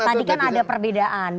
tadi kan ada perbedaan